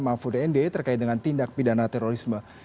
mafud nde terkait dengan tindak pidana terorisme